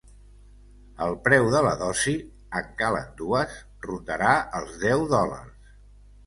El preu de la dosi —en calen dues— rondarà els deu dòlars.